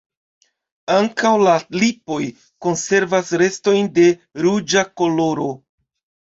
Ankaŭ la lipoj konservas restojn de ruĝa koloro.